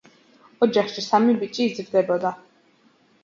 ოჯახში სამი ბიჭი იზრდებოდა.